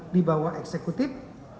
di bawah eksekutif